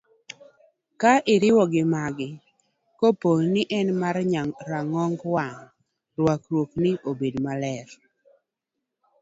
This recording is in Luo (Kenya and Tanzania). Ka iriwo gi magi, kapo ni en mar rang'ong wang', rwakruokni obed maler.